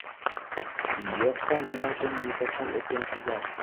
-Yo’qsa nima uchun nikohdan o’tgansizlar?